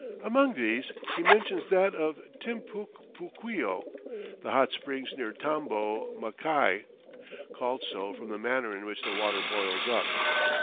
Among these he mentions that of Timpucpuquio, the "hot springs" near Tambo Machai, "called so from the manner in which the water boils up."